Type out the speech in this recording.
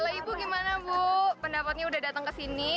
kalau ibu gimana bu pendapatnya udah datang ke sini